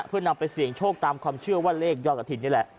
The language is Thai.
เพื่อนำไปเสี่ยงโชคตามความเชื่อว่าเลขยอดกระถิ่นนี่แหละ